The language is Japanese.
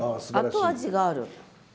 後味がある。